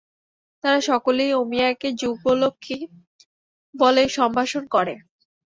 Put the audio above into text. তারা সকলেই অমিয়াকে যুগলক্ষ্মী বলে সম্ভাষণ করে।